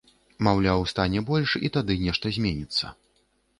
Маўляў, стане больш, і тады нешта зменіцца.